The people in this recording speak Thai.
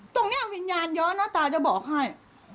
ตรงนี้วิญญาณเยอะนะตาจะบอกให้